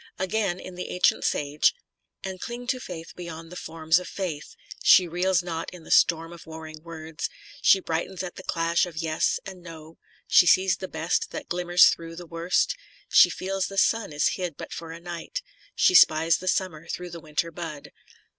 Again in " The Ancient Sage ": And cling to Faith beyond the forms of Faith ! She reels not in the storm of warring words, She brightens at the clash of " Yes " and " No," She sees the Best that glimmers thro' the Worst, She feels the Sun is hid but for a night, She spies the summer thro' the winter bud.